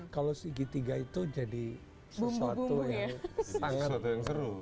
kalau segitiga itu jadi sesuatu yang sangat seru